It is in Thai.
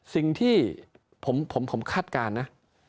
สิ่งที่ผมคาดการณ์นะ